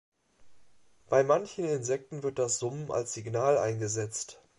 Bei manchen Insekten wird das Summen als Signal eingesetzt.